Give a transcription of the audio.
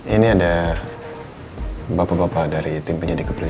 ini ada bapak bapak dari tim penyedia keperluan